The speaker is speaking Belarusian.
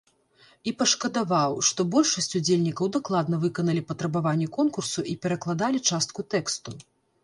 І пашкадаваў, што большасць удзельнікаў дакладна выканалі патрабаванні конкурсу і перакладалі частку тэксту.